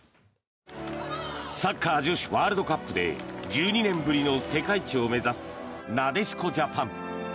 サッカー女子ワールドカップで１２年ぶりの世界一を目指すなでしこジャパン。